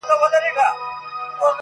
رښتینولي د شخصیت مهمه نښه ده.